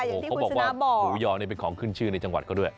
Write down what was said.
อย่างที่คุณสุนาบอกว่าหมูย่อเนี่ยเป็นของขึ้นชื่อในจังหวัดเขาด้วย